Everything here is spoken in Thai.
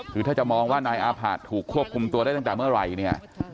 คือถ้าจะมองว่านายอาผะถูกควบคุมตัวได้ตั้งแต่เมื่อไหร่เนี่ย